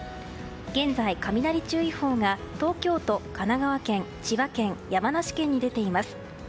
現在、雷注意報が東京都、神奈川県千葉県、山梨県に出ています。